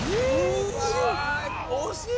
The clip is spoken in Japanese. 惜しい！